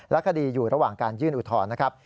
คดีอยู่ระหว่างการยื่นอุทธรณ์นะครับ